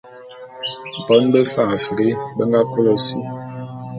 Bon bé Fan Afri be nga kôlô si.